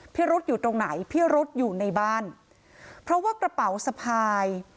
พิรุษอยู่ตรงไหนพิรุษอยู่ในบ้านเพราะว่ากระเป๋าสะพาย